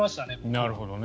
なるほどね。